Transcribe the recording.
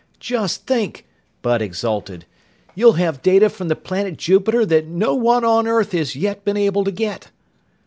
"Just think!" Bud exulted. "You'll have data from the planet Jupiter that no one on earth has yet been able to get!"